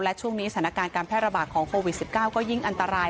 และช่วงนี้สถานการณ์การแพร่ระบาดของโควิด๑๙ก็ยิ่งอันตราย